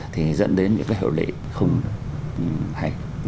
thì dẫn đến những hiệu lệ không hay